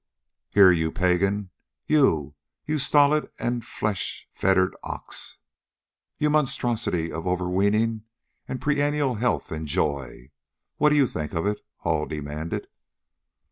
"Here, you pagan, you, you stolid and flesh fettered ox, you monstrosity of over weening and perennial health and joy, what do you think of it?" Hall demanded.